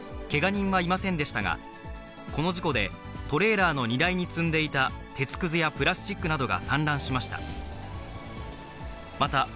けが人はいませんでしたが、この事故でトレーラーの荷台に積んでいた鉄くずやプラスチックなどが散乱しました。